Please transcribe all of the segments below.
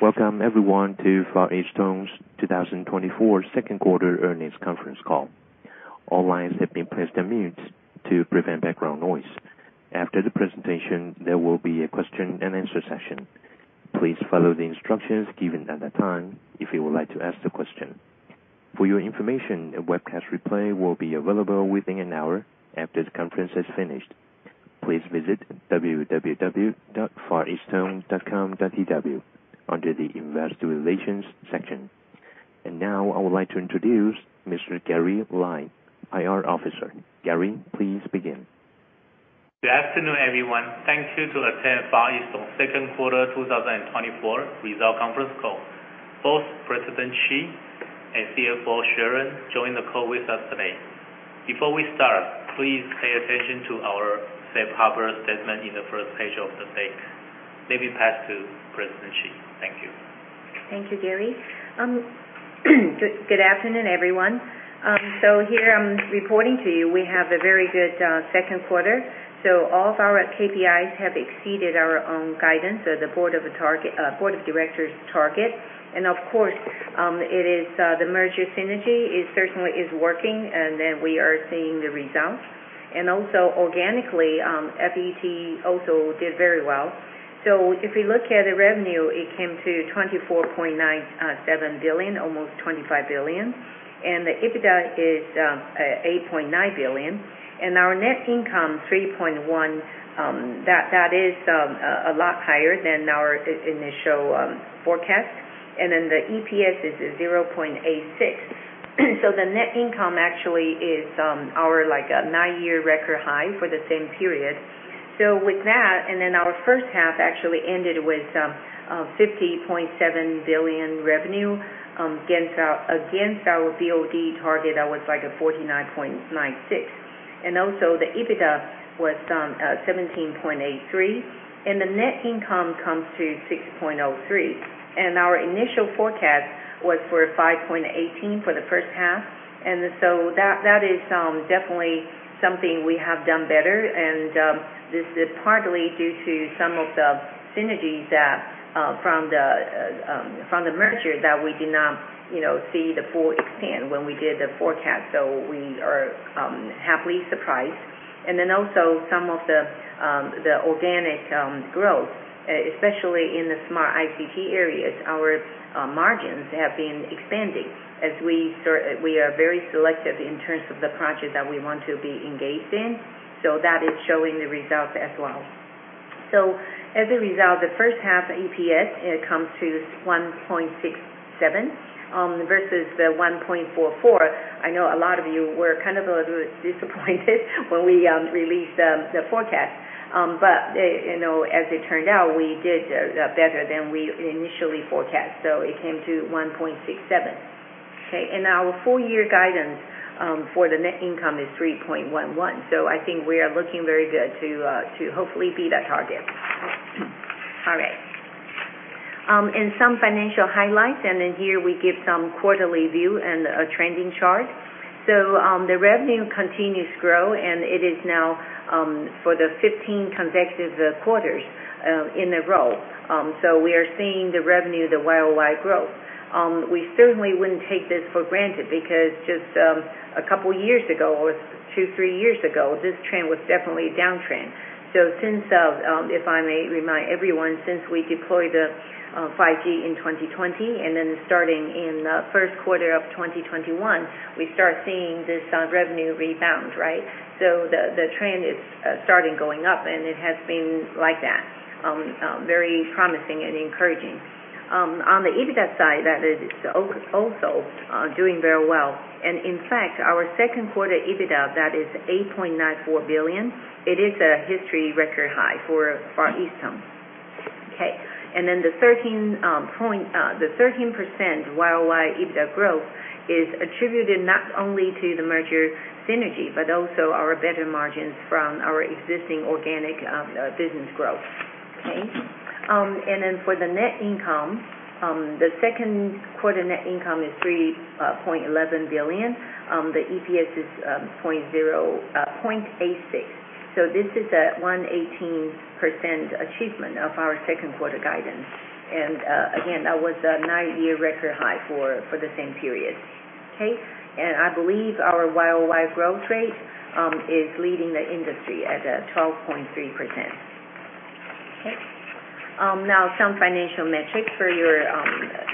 Welcome everyone to Far EasTone's 2024 second quarter earnings conference call. All lines have been placed on mute to prevent background noise. After the presentation, there will be a question and answer session. Please follow the instructions given at that time if you would like to ask the question. For your information, a webcast replay will be available within an hour after the conference is finished. Please visit www.fareastone.com.tw under the Investor Relations section. Now I would like to introduce Mr. Gary Lai, IR Officer. Gary, please begin. Good afternoon, everyone. Thank you to attend Far EasTone second quarter 2024 results conference call. Both President Chee and CFO Sharon join the call with us today. Before we start, please pay attention to our safe harbor statement in the first page of the deck. Let me pass to President Chee. Thank you. Thank you, Gary. Good afternoon, everyone. So here I'm reporting to you, we have a very good second quarter. So all of our KPIs have exceeded our own guidance, so the board of target, board of directors target. And of course, it is, the merger synergy is certainly is working, and then we are seeing the results. And also organically, FET also did very well. So if we look at the revenue, it came to 24.97 billion, almost 25 billion. And the EBITDA is 8.9 billion, and our net income 3.1 billion, that, that is, a lot higher than our initial forecast. And then the EPS is 0.86. So the net income actually is, our, like, a 9-year record high for the same period. So with that, and then our first half actually ended with 50.7 billion revenue, against our BOD target that was like a 49.96 billion. Also the EBITDA was 17.83 billion, and the net income comes to TWD 6.03 billion. Our initial forecast was for 5.18 billion for the first half, and so that is definitely something we have done better. This is partly due to some of the synergies that from the merger that we did not, you know, see the full extent when we did the forecast. So we are happily surprised. Then also some of the organic growth, especially in the smart ICT areas, our margins have been expanding as we are very selective in terms of the project that we want to be engaged in. So that is showing the results as well. So as a result, the first half EPS, it comes to 1.67 versus the 1.44. I know a lot of you were kind of a little disappointed when we released the forecast. But you know, as it turned out, we did better than we initially forecast. So it came to 1.67. Okay, and our full year guidance for the net income is 3.11. So I think we are looking very good to hopefully beat that target. All right. In some financial highlights, and then here we give some quarterly view and a trending chart. So, the revenue continues to grow, and it is now for the 15 consecutive quarters in a row. So we are seeing the revenue, the year-over-year growth. We certainly wouldn't take this for granted because just a couple years ago, or 2 years, 3 years ago, this trend was definitely a downtrend. So since, if I may remind everyone, since we deployed the 5G in 2020, and then starting in the first quarter of 2021, we start seeing this revenue rebound, right? So the trend is starting going up, and it has been like that very promising and encouraging. On the EBITDA side, that is also doing very well. In fact, our second quarter EBITDA, that is 8.94 billion. It is a historic record high for Far EasTone. Okay, and then the 13% year-over-year EBITDA growth is attributed not only to the merger synergy but also our better margins from our existing organic business growth. Okay? And then for the net income, the second quarter net income is 3.11 billion. The EPS is 0.86. So this is a 118% achievement of our second quarter guidance. And, again, that was a nine-year record high for the same period, okay? And I believe our year-over-year growth rate is leading the industry at 12.3%. Okay. Now some financial metrics for your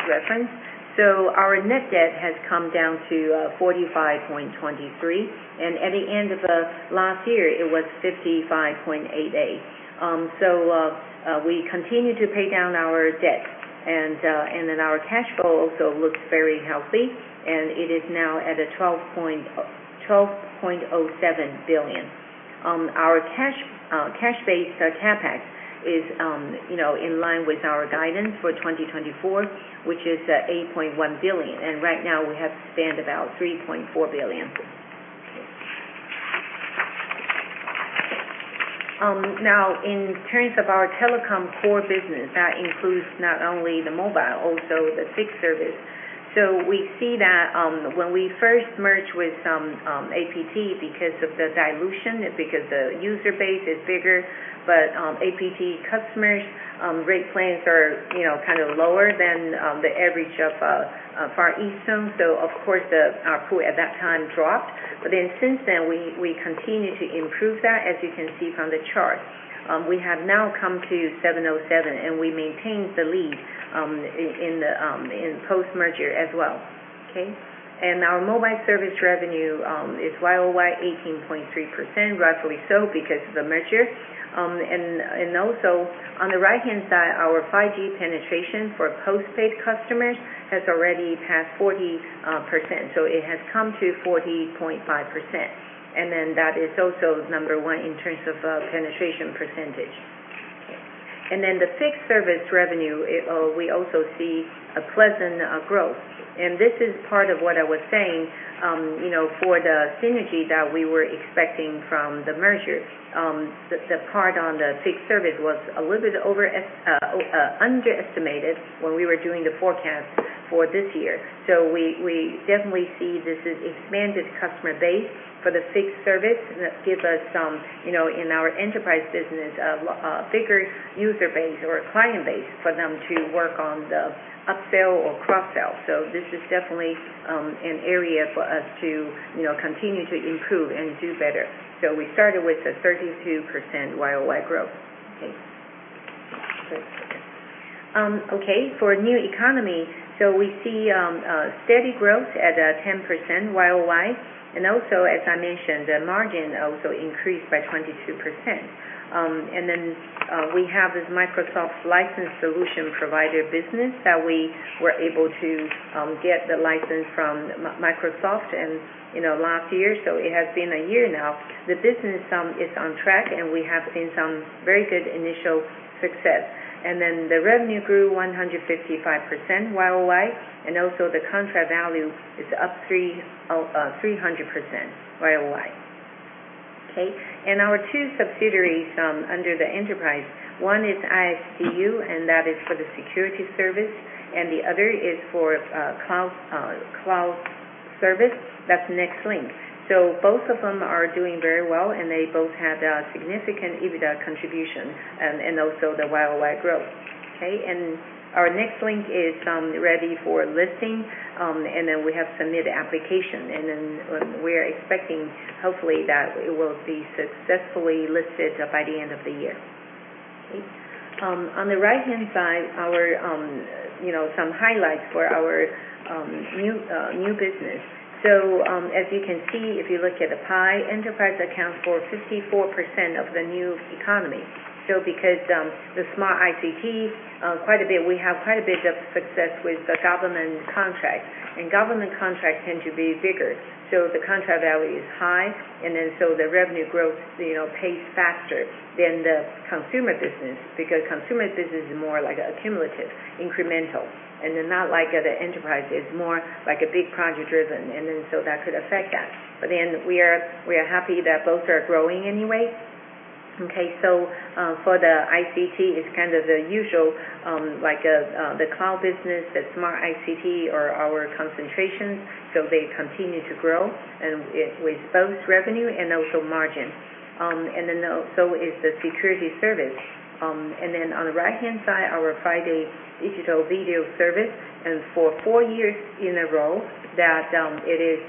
reference. So our net debt has come down to 45.23 billion, and at the end of the last year, it was 55.88 billion. So we continue to pay down our debt, and then our cash flow also looks very healthy, and it is now at TWD 12.07 billion. Our cash-based CapEx is, you know, in line with our guidance for 2024, which is 8.1 billion. And right now we have spent about 3.4 billion. Okay. Now, in terms of our telecom core business, that includes not only the mobile, also the fixed service. So we see that, when we first merged with APT, because of the dilution and because the user base is bigger, but APT customers rate plans are, you know, kind of lower than the average of Far EasTone. So of course, our pool at that time dropped. But then since then, we continued to improve that, as you can see from the chart. We have now come to 707, and we maintained the lead in the post-merger as well. Okay? And our mobile service revenue is year-over-year 18.3%, rightfully so, because of the merger. And also on the right-hand side, our 5G penetration for postpaid customers has already passed 40%, so it has come to 40.5%. That is also number one in terms of penetration percentage. The fixed service revenue, we also see a pleasant growth. This is part of what I was saying, you know, for the synergy that we were expecting from the merger. The part on the fixed service was a little bit underestimated when we were doing the forecast for this year. So we definitely see this as expanded customer base for the fixed service, and that gives us some, you know, in our enterprise business, a bigger user base or a client base for them to work on the upsell or cross-sell. So this is definitely an area for us to, you know, continue to improve and do better. So we started with a 32% year-over-year growth. Okay. Okay, for new economy, so we see a steady growth at 10% YOY, and also, as I mentioned, the margin also increased by 22%. And then we have this Microsoft Licensing Solution Provider business that we were able to get the license from Microsoft and, you know, last year, so it has been a year now. The business is on track, and we have seen some very good initial success. And then the revenue grew 155% YOY, and also the contract value is up 300% YOY. Okay? And our two subsidiaries under the enterprise, one is ISecurity, and that is for the security service, and the other is for cloud service. That's Nextlink. So both of them are doing very well, and they both have a significant EBITDA contribution, and also the YOY growth. Okay? And our Nextlink is ready for listing, and then we have submitted application, and then we are expecting, hopefully, that it will be successfully listed by the end of the year. Okay. On the right-hand side, our, you know, some highlights for our new business. So, as you can see, if you look at the pie, enterprise accounts for 54% of the new economy. So because the smart ICT, quite a bit, we have quite a bit of success with the government contract, and government contract tend to be bigger. So the contract value is high, and then so the revenue growth, you know, pace faster than the consumer business, because consumer business is more like a cumulative, incremental, and then not like the enterprise. It's more like a big project driven, and then so that could affect that. But then we are happy that both are growing anyway. Okay, so for the ICT, it's kind of the usual, like, the cloud business, the smart ICT are our concentration, so they continue to grow, and it with both revenue and also margin. And then also is the security service. And then on the right-hand side, our friDay digital video service, and for four years in a row, that it is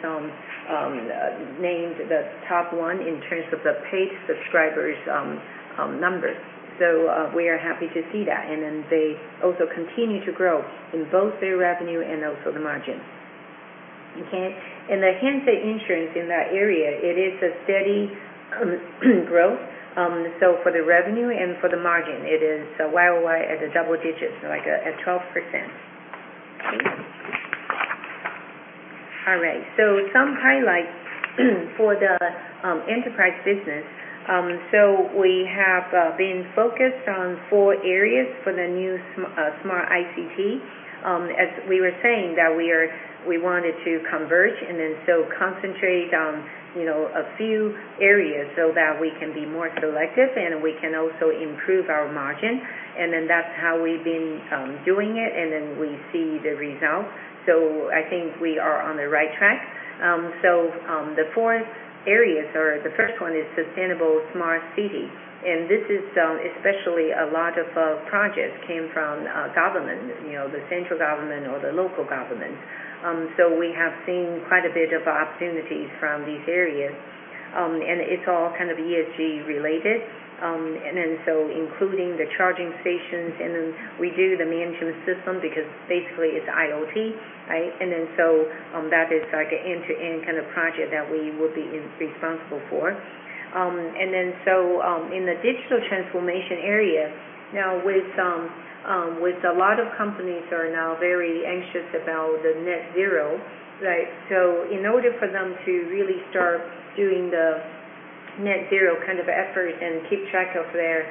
named the top one in terms of the paid subscribers, numbers. So, we are happy to see that, and then they also continue to grow in both their revenue and also the margin. Okay. And the handset insurance in that area, it is a steady growth. So for the revenue and for the margin, it is a YOY at double digits, like at 12%. Okay. All right. So some highlights for the enterprise business. So we have been focused on four areas for the new smart ICT. As we were saying, that we are, we wanted to converge and then so concentrate on, you know, a few areas so that we can be more selective, and we can also improve our margin, and then that's how we've been doing it, and then we see the results. So I think we are on the right track. So, the four areas, or the first one is sustainable smart city, and this is especially a lot of projects came from government, you know, the central government or the local government. So we have seen quite a bit of opportunities from these areas. And it's all kind of ESG related. And then so including the charging stations, and then we do the management system because basically it's IoT, right? And then so, in the digital transformation area, now with some, with a lot of companies are now very anxious about the Net Zero, right? So in order for them to really start doing the net zero kind of effort and keep track of their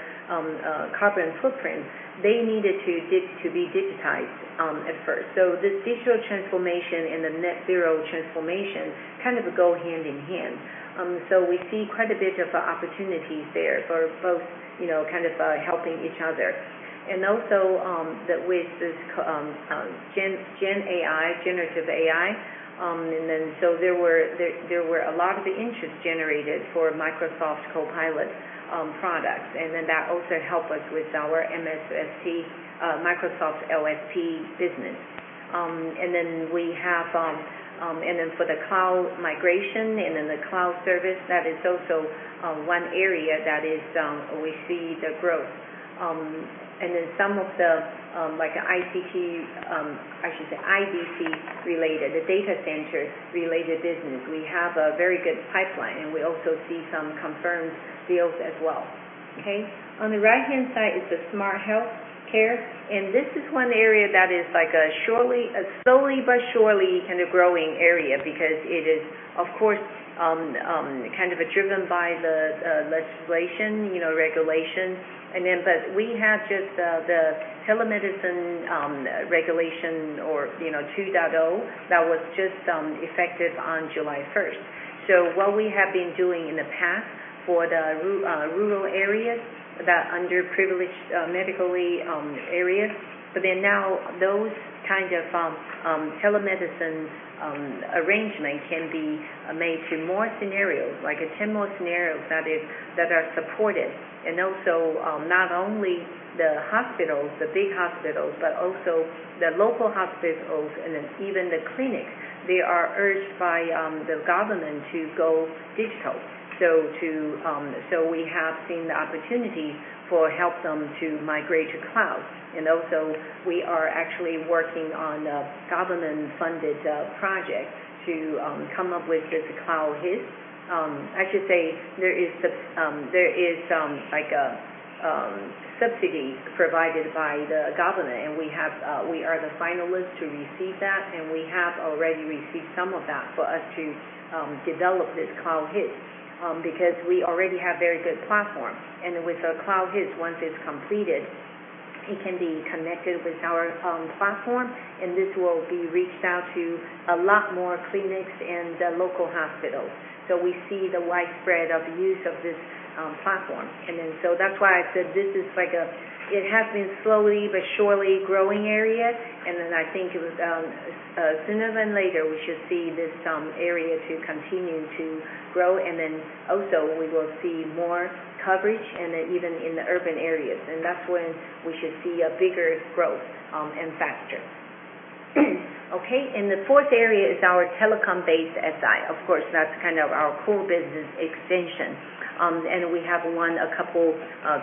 carbon footprint, they needed to be digitized at first. So this digital transformation and the net zero transformation kind of go hand in hand. So we see quite a bit of opportunities there for both, you know, kind of helping each other. And also, that with this generative AI, and then so there were a lot of the interest generated for Microsoft's Copilot product. And then that also helped us with our MSSP Microsoft LSP business. And then for the cloud migration and then the cloud service, that is also one area that is we see the growth. And then some of the, like ICT, I should say, IDC-related, the data center-related business, we have a very good pipeline, and we also see some confirmed deals as well. Okay? On the right-hand side is the smart healthcare, and this is one area that is like a surely, a slowly but surely kind of growing area because it is, of course, kind of driven by the legislation, you know, regulation. And then, but we have just, the telemedicine, regulation or, you know, 2.0, that was just, effective on July 1st. So what we have been doing in the past for the rural areas, the underprivileged, medically, areas, but then now those kind of, telemedicine, arrangement can be made to more scenarios, like 10 more scenarios that are supported. And also, not only the hospitals, the big hospitals, but also the local hospitals and then even the clinics, they are urged by the government to go digital. So, we have seen the opportunity to help them to migrate to cloud. And also, we are actually working on a government-funded project to come up with just a Cloud HIS. I should say there is, like a subsidy provided by the government, and we are the finalist to receive that, and we have already received some of that for us to develop this cloud HIS, because we already have very good platform. With the cloud HIS, once it's completed, it can be connected with our platform, and this will be reached out to a lot more clinics and the local hospitals. So we see the widespread of use of this platform. That's why I said this is like a it has been slowly but surely growing area. I think it was sooner than later, we should see this area to continue to grow. Also we will see more coverage and then even in the urban areas, and that's when we should see a bigger growth and faster. Okay, the fourth area is our telecom-based SI. Of course, that's kind of our core business extension. We have won a couple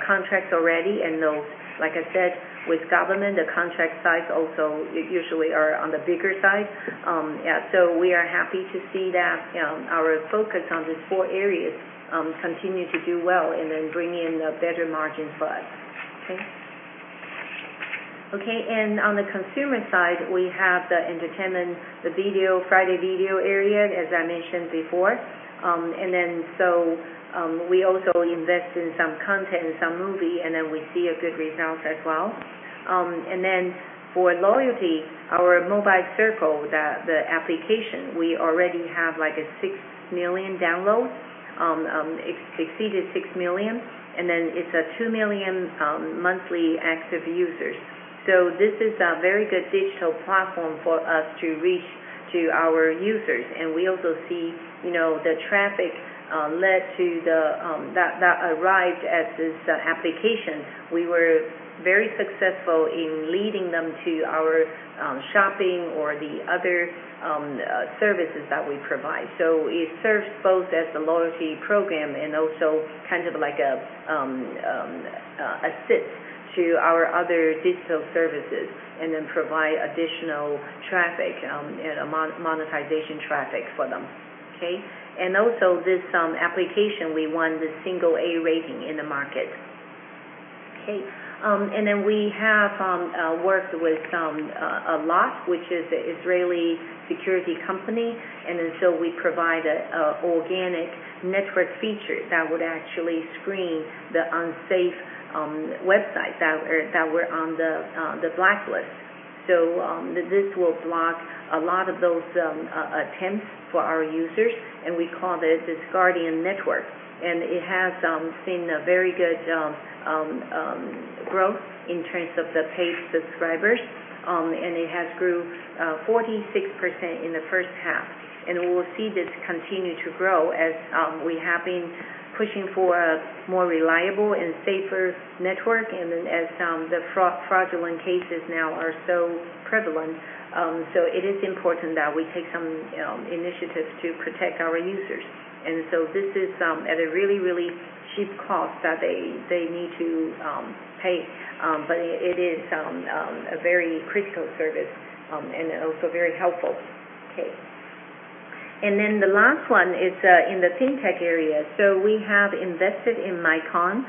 contracts already, and those, like I said, with government, the contract size also usually are on the bigger side. Yeah, so we are happy to see that our focus on these four areas continue to do well and then bring in a better margin for us. Okay? Okay, and on the consumer side, we have the entertainment, the video, friDay Video area, as I mentioned before. And then, so, we also invest in some content, in some movie, and then we see a good results as well. And then for loyalty, our Mobile Circle, the application, we already have, like, six million downloads. It's exceeded six million, and then it's two million monthly active users. So this is a very good digital platform for us to reach to our users. And we also see, you know, the traffic led to the that arrived at this application. We were very successful in leading them to our shopping or the other services that we provide. So it serves both as a loyalty program and also kind of like a assist to our other digital services, and then provide additional traffic and a monetization traffic for them, okay? And also, this application, we won the single-A rating in the market. Okay, and then we have worked with Allot, which is an Israeli security company. And then so we provide a Guardian Network feature that would actually screen the unsafe websites that were on the blacklist. So, this will block a lot of those attempts for our users, and we call this the Guardian Network. It has seen a very good growth in terms of the paid subscribers, and it has grew 46% in the first half. We will see this continue to grow as we have been pushing for a more reliable and safer network, and then as the fraudulent cases now are so prevalent. So it is important that we take some initiatives to protect our users. And so this is at a really, really cheap cost that they need to pay, but it is a very critical service, and also very helpful. Okay. And then the last one is in the fintech area. So we have invested in MaiCoin.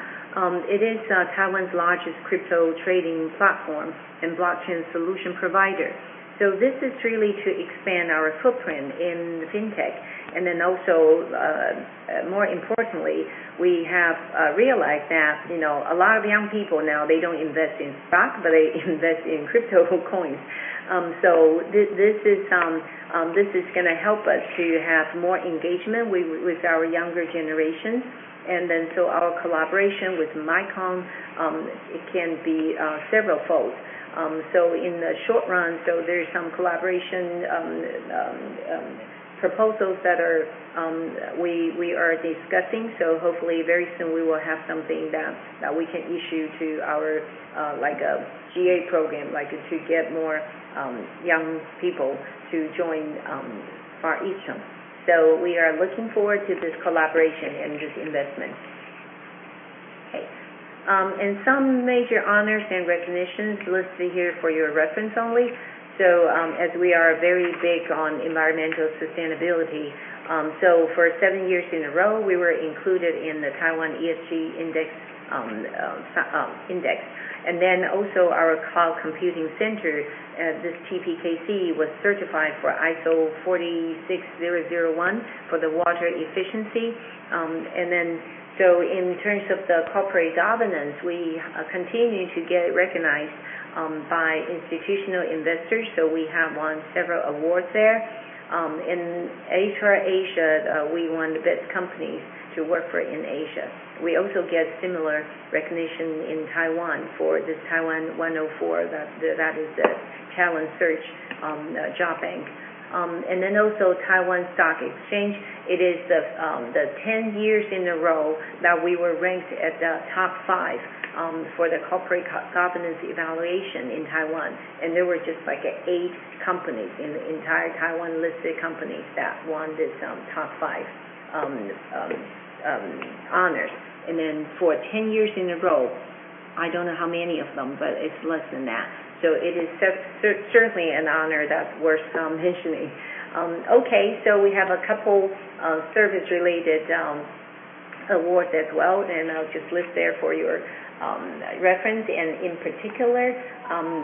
It is Taiwan's largest crypto trading platform and blockchain solution provider. So this is really to expand our footprint in the fintech. And then also, more importantly, we have realized that, you know, a lot of young people now, they don't invest in stock, but they invest in crypto coins. So this, this is gonna help us to have more engagement with our younger generation. And then so our collaboration with MaiCoin, it can be severalfold. So in the short run, so there is some collaboration proposals that we are discussing. So hopefully very soon we will have something that we can issue to our, like a GA program, like to get more young people to join Far EasTone. So we are looking forward to this collaboration and this investment. Okay. Some major honors and recognitions listed here for your reference only. So, as we are very big on environmental sustainability, for seven years in a row, we were included in the Taiwan ESG Index. And then also our cloud computing center, this TPKC, was certified for ISO 46001 for the water efficiency. In terms of the corporate governance, we continue to get recognized by institutional investors. So we have won several awards there. In Asia, we won the best company to work for in Asia. We also get similar recognition in Taiwan for the Taiwan 104. That is the talent search job bank. And then also Taiwan Stock Exchange, it is the 10 years in a row that we were ranked at the top five for the corporate governance evaluation in Taiwan. And there were just, like, 8 companies in the entire Taiwan-listed companies that won this top five honors. And then for 10 years in a row, I don't know how many of them, but it's less than that. So it is certainly an honor that's worth mentioning. Okay, so we have a couple service-related awards as well, and I'll just list them for your reference. And in particular,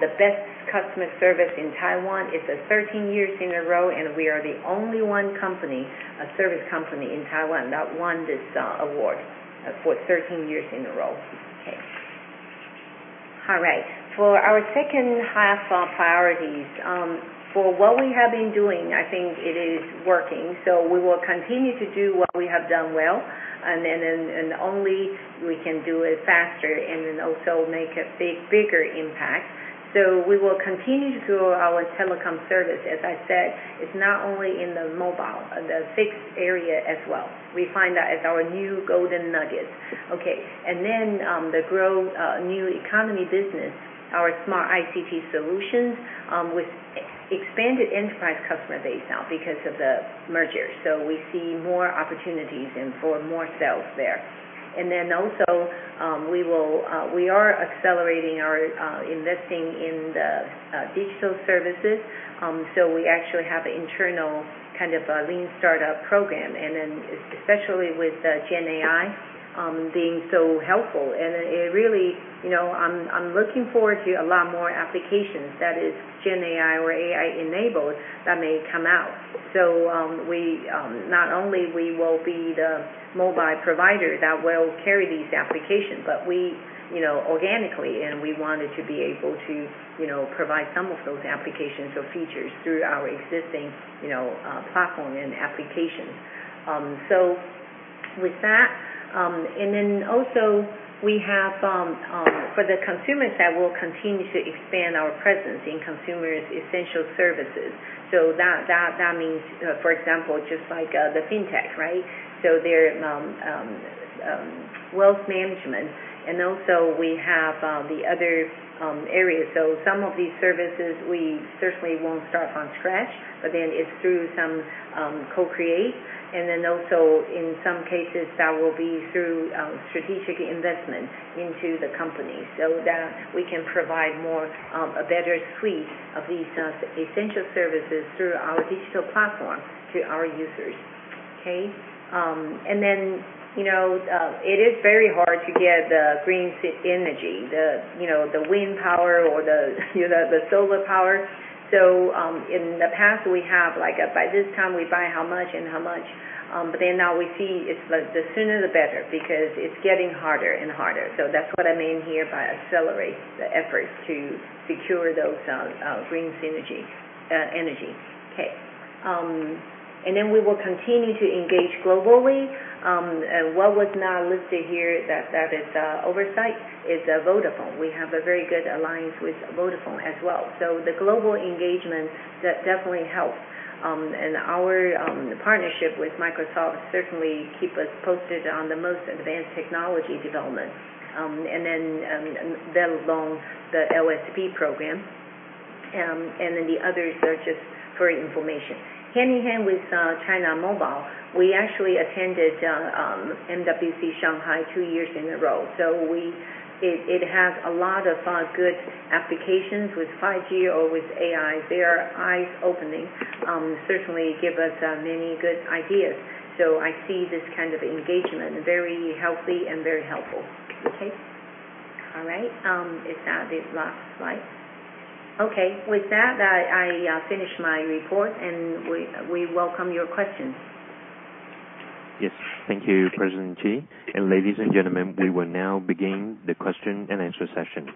the best customer service in Taiwan is a 13 years in a row, and we are the only one company, a service company in Taiwan, that won this award for 13 years in a row. Okay. All right. For our second half priorities, for what we have been doing, I think it is working, so we will continue to do what we have done well, and then, and, and only we can do it faster and then also make a bigger impact. So we will continue to grow our telecom service. As I said, it's not only in the mobile, the fixed area as well. We find that as our new golden nugget. Okay. And then, the new economy business, our smart ICT solutions, with expanded enterprise customer base now because of the merger, so we see more opportunities and for more sales there. And then also, we will, we are accelerating our investing in digital services. So we actually have an internal, kind of, a lean startup program, and then especially with the GenAI being so helpful. And it really, you know, I'm looking forward to a lot more applications that is GenAI or AI-enabled that may come out. So, we not only we will be the mobile provider that will carry these applications, but we, you know, organically, and we wanted to be able to, you know, provide some of those applications or features through our existing, you know, platform and applications. So with that, and then also we have for the consumers that will continue to expand our presence in consumers' essential services. So that means, for example, just like the fintech, right? So there wealth management, and also we have the other areas. So some of these services, we certainly won't start from scratch, but then it's through some co-create. And then also, in some cases, that will be through strategic investment into the company so that we can provide more a better suite of these essential services through our digital platform to our users. Okay? And then, you know, it is very hard to get the green synergy energy, the, you know, the wind power or the, you know, the solar power. So, in the past, we have, like, by this time, we buy how much and how much. But then now we see it's like the sooner the better, because it's getting harder and harder. So that's what I mean here by accelerate the efforts to secure those green synergy energy. Okay. And then we will continue to engage globally. And what was not listed here that is oversight is Vodafone. We have a very good alliance with Vodafone as well. So the global engagement, that definitely helps. And our partnership with Microsoft certainly keep us posted on the most advanced technology development. And then that along the LSP program. And then the others are just for information. Hand in hand with China Mobile, we actually attended MWC Shanghai two years in a row. So it has a lot of good applications with 5G or with AI. They are eye-opening, certainly give us many good ideas. So I see this kind of engagement very healthy and very helpful. Okay. All right. Is that the last slide? Okay. With that, I finish my report, and we welcome your questions. Yes. Thank you, President Chee. Ladies and gentlemen, we will now begin the question-and-answer session.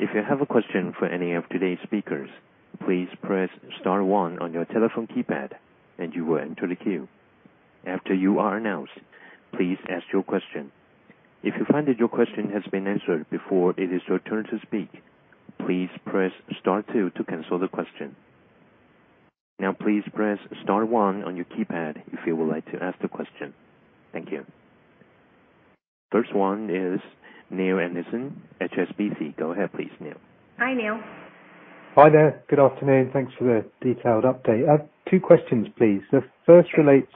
If you have a question for any of today's speakers, please press star one on your telephone keypad, and you will enter the queue. After you are announced, please ask your question. If you find that your question has been answered before it is your turn to speak, please press star two to cancel the question. Now, please press star one on your keypad if you would like to ask the question. Thank you. First one is Neale Anderson, HSBC. Go ahead, please, Neil. Hi, Neale. Hi there. Good afternoon. Thanks for the detailed update. I have two questions, please. The first relates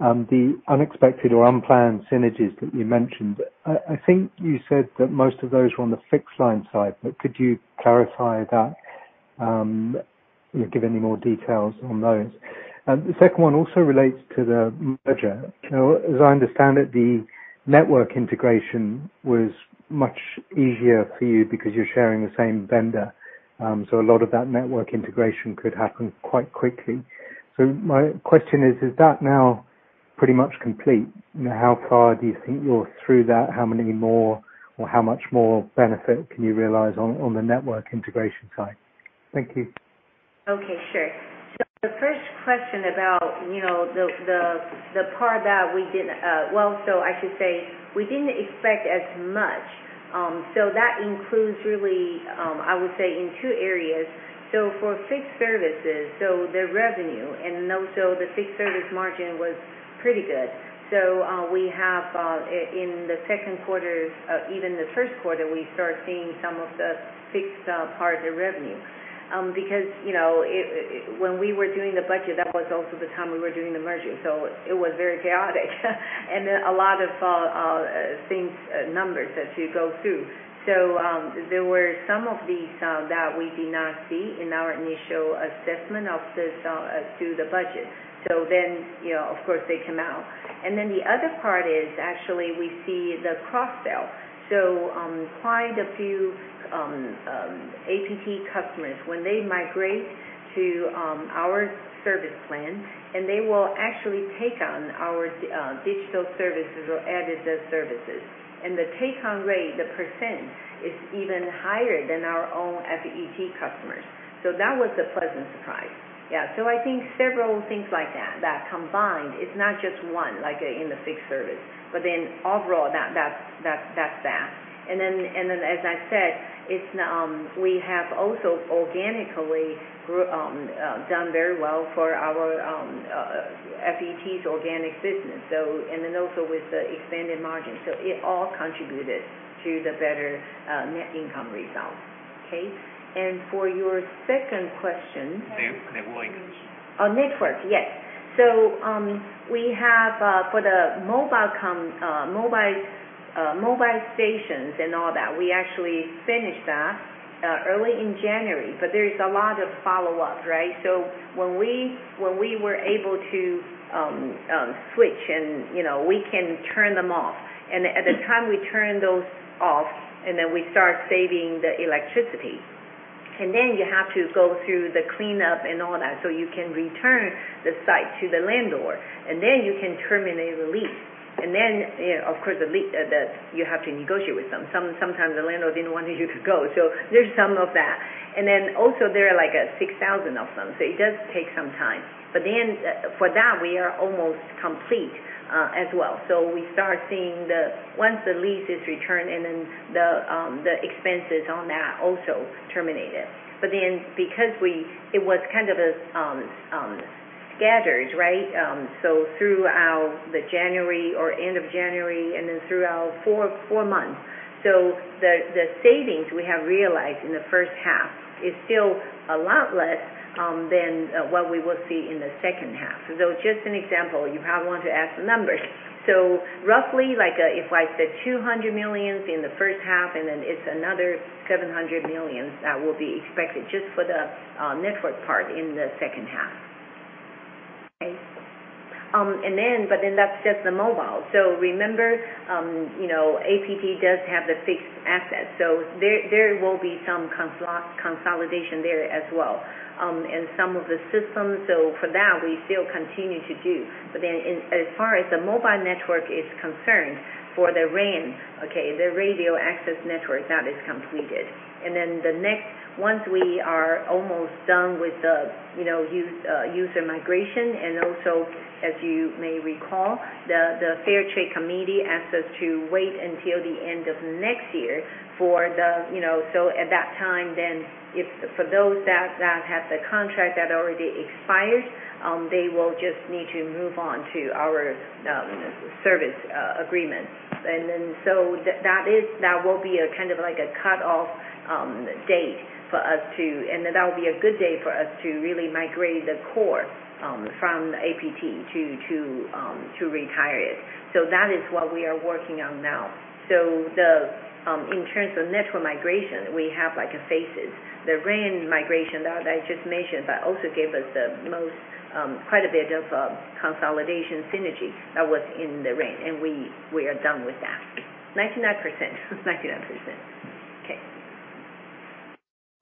to the unexpected or unplanned synergies that you mentioned. I think you said that most of those were on the fixed line side, but could you clarify that or give any more details on those? And the second one also relates to the merger. So as I understand it, the network integration was much easier for you because you're sharing the same vendor. So a lot of that network integration could happen quite quickly. So my question is, is that now pretty much complete? How far do you think you're through that? How many more, or how much more benefit can you realize on the network integration side? Thank you. Okay, sure. So the first question about, you know, the part that we didn't... Well, so I should say, we didn't expect as much. So that includes really, I would say, in two areas. So for fixed services, so the revenue and also the fixed service margin was pretty good. So, we have, in the second quarter, even the first quarter, we start seeing some of the fixed part of the revenue. Because, you know, it, when we were doing the budget, that was also the time we were doing the merging, so it was very chaotic. And then a lot of things, numbers as you go through. So, there were some of these that we did not see in our initial assessment of this through the budget. So then, you know, of course, they come out. And then the other part is actually we see the cross sell. So, quite a few, APT customers, when they migrate to, our service plan, and they will actually take on our, digital services or added the services. And the take-on rate, the percent, is even higher than our own FET customers. So that was a pleasant surprise. Yeah. So I think several things like that, that combined, it's not just one, like in the fixed service, but then overall, that, that's, that's, that's that. And then, and then as I said, it's, we have also organically grew, done very well for our, FET's organic business. So, and then also with the expanded margin. So it all contributed to the better, net income results. Okay? For your second question- Network. Oh, network. Yes. So, we have, for the mobile com, mobile, mobile stations and all that, we actually finished that early in January, but there is a lot of follow-up, right? So when we were able to switch and, you know, we can turn them off, and at the time we turn those off, and then we start saving the electricity. And then you have to go through the cleanup and all that, so you can return the site to the landlord, and then you can terminate the lease. And then, you know, of course, the, you have to negotiate with them. Sometimes the landlord didn't want you to go, so there's some of that. And then also there are like 6,000 of them, so it does take some time. But then for that, we are almost complete, as well. So we start seeing the—once the lease is returned and then the expenses on that also terminated. But then because we—it was kind of scattered, right? So throughout January or end of January and then throughout four months. So the savings we have realized in the first half is still a lot less than what we will see in the second half. So just an example, you probably want to ask the numbers. So roughly like, if I said 200 million in the first half, and then it's another 700 million, that will be expected just for the network part in the second half. Okay? And then, but then that's just the mobile. So remember, you know, APT does have the fixed assets, so there, there will be some consolidation there as well, and some of the systems. So for that, we still continue to do. But then in, as far as the mobile network is concerned, for the RAN, okay, the Radio Access Network, that is completed. And then the next, once we are almost done with the, you know, user migration, and also, as you may recall, the Fair Trade Committee asked us to wait until the end of next year for the, you know. So at that time, then, if for those that have the contract that already expired, they will just need to move on to our service agreement. And then, so that, that is- that will be a kind of like a cut-off date for us to-- And then that will be a good day for us to really migrate the core from APT to, to, to retire it. So that is what we are working on now. So the, in terms of network migration, we have like a phases. The RAN migration that I just mentioned, but also gave us the most, quite a bit of, consolidation synergy that was in the RAN, and we, we are done with that. 99%. 99%. Okay.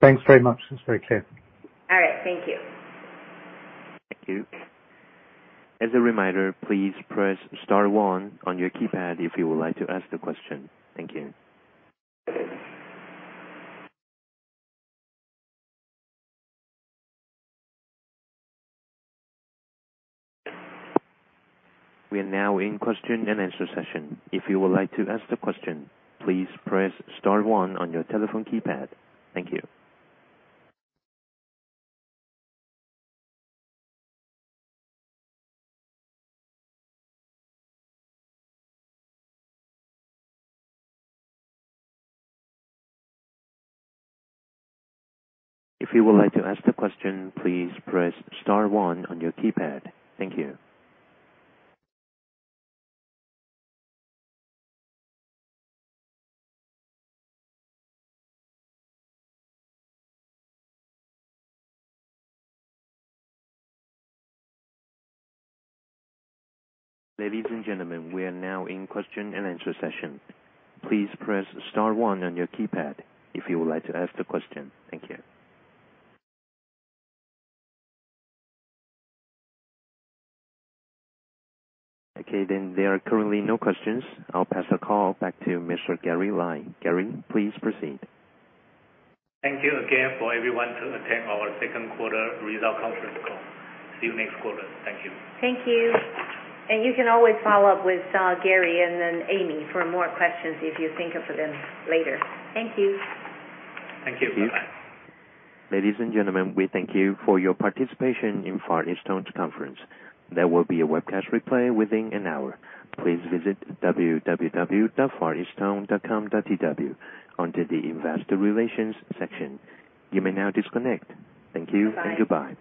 .Thanks very much. That's very clear. All right, thank you. Thank you. As a reminder, please press star one on your keypad if you would like to ask the question. Thank you. We are now in question and answer session. If you would like to ask the question, please press star one on your telephone keypad. Thank you. If you would like to ask the question, please press star one on your keypad. Thank you. Ladies and gentlemen, we are now in question and answer session. Please press star one on your keypad if you would like to ask the question. Thank you. Okay, then there are currently no questions. I'll pass the call back to Mr. Gary Lai. Gary, please proceed. Thank you again for everyone to attend our second quarter result conference call. See you next quarter. Thank you. Thank you. And you can always follow up with Gary and then Amy for more questions if you think of them later. Thank you. Thank you. Bye-bye. Ladies and gentlemen, we thank you for your participation in Far EasTone's conference. There will be a webcast replay within an hour. Please visit www.fareastone.com.tw under the Investor Relations section. You may now disconnect. Thank you and goodbye.